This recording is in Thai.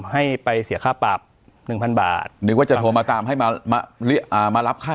ให้ไปเสียค่าปรับ๑๐๐๐บาทหรือจะโทรมาตามไอ้มันมารับค่า